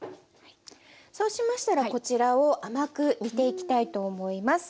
そうしましたらこちらを甘く煮ていきたいと思います。